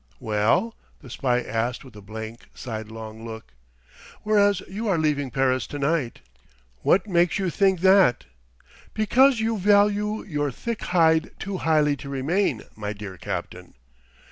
"Well?" the spy asked with a blank sidelong look. "Whereas you are leaving Paris tonight." "What makes you think that?" "Because you value your thick hide too highly to remain, my dear captain."